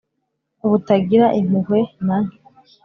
butagira impuhwe na nke